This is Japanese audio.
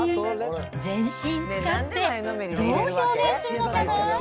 全身使ってどう表現するのかな。